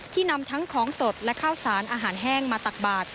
นำทั้งของสดและข้าวสารอาหารแห้งมาตักบาท